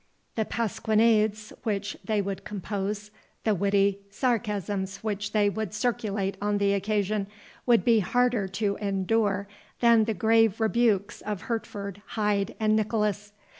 The pasquinades which they would compose, the witty sarcasms which they would circulate on the occasion, would be harder to endure than the grave rebukes of Hertford, Hyde, and Nicholas.